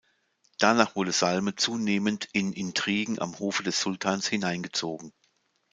Danach wurde Salme zunehmend in Intrigen am Hofe des Sultans hineingezogen.